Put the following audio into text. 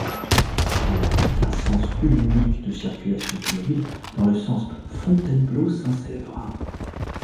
Elle applique un sens unique de circulation automobile dans le sens Fontainebleau-Saint-Séverin.